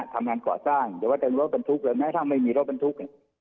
ทำงานก่อสร้างเดี๋ยวว่าจะมีรถบันทุกข์หรือไม่ถ้าไม่มีรถบันทุกข์เนี่ย